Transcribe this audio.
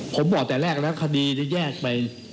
ผมบอกแต่แรกแล้วคดีจะแยกไป